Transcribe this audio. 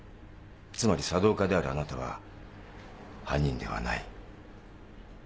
つまり茶道家であるあなたは犯人ではない。